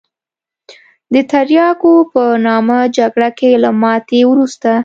د تریاکو په نامه جګړه کې له ماتې وروسته.